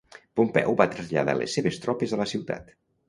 Pompeu va traslladar les seves tropes a la ciutat.